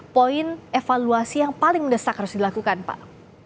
poin evaluasi yang paling mendesak harus dilakukan pak